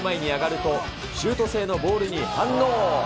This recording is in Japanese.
シュート性のボールに反応。